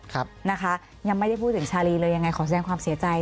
ครับนะคะยังไม่ได้พูดถึงชาลีเลยยังไงขอแสดงความเสียใจ